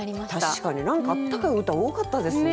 確かに何か温かい歌多かったですね。